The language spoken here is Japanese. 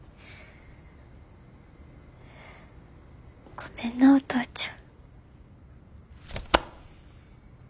ごめんなお父ちゃん。